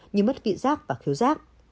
như mất khiếu giác và mất khiếu giác